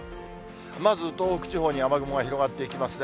まず東北地方に雨雲が広がっていきますね。